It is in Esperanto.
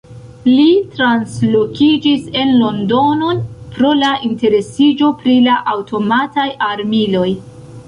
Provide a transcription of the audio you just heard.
Li translokiĝis en Londonon, pro la interesiĝo pri la aŭtomataj armiloj.